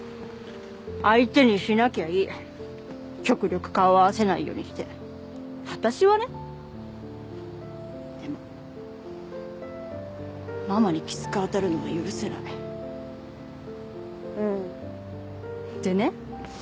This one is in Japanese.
相手にしなきゃい極力顔合わせないようにして私はねでもママにきつく当たるのは許せなうんでね